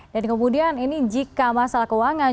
dan kemudian ini jika masalah keuangan